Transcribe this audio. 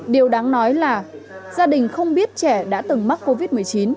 điều đáng nói là gia đình không biết trẻ đã từng mắc covid một mươi chín